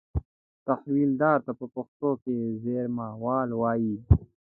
تحویلدار ته په پښتو کې زېرمهوال وایي.